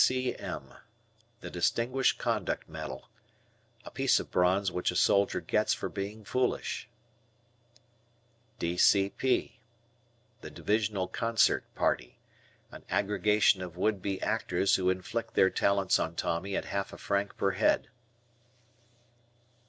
D.C.M. Distinguished Conduct Medal. A piece of bronze which a soldier gets for being foolish. D.C.P. Divisional Concert Party. An aggregation of would be actors who inflict their talents on Tommy at half a franc per head.